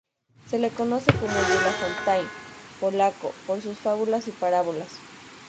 Se le conoce como el La Fontaine polaco por sus fábulas y parábolas.